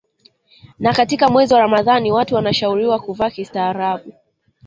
Na katika mwezi wa Ramadhani watu wanashauriwa kuvaa kistaarabu